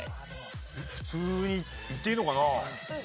普通にいっていいのかな？